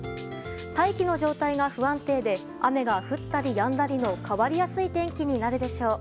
大気の状態が不安定で雨が降ったりやんだりの変わりやすい天気になるでしょう。